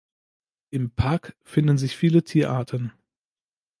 Im Park finden sich viele Tierarten.